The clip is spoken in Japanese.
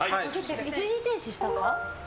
一時停止した？